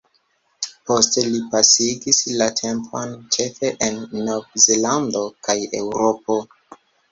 Poste li pasigis la tempon ĉefe en Nov-Zelando kaj Eŭropo.